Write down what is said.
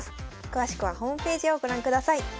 詳しくはホームページをご覧ください。